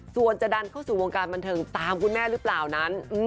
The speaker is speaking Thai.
ส่วนจะดันเข้าสู่วงการบันเทิงตามคุณแม่หรือเปล่านั้น